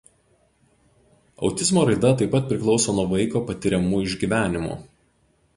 Autizmo raida taip pat priklauso nuo vaiko patiriamų išgyvenimų.